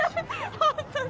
本当に？